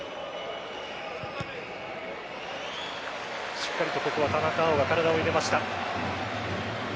しっかりとここは田中碧が体を入れました。